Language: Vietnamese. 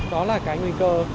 đó là cái nguy cơ